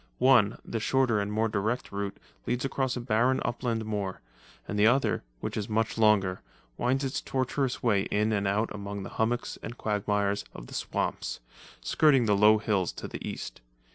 One, the shorter and more direct route, leads across a barren upland moor, and the other, which is much longer, winds its tortuous way in and out among the hummocks and quagmires of the swamps, skirting the low hills to the east.